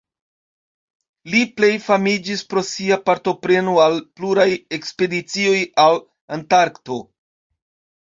Li plej famiĝis pro sia partopreno al pluraj ekspedicioj al Antarkto.